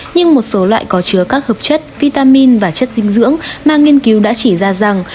nhưng một số loại có chứa các hợp chất vitamin và chất dinh dưỡng mà nghiên cứu đã chỉ ra rằng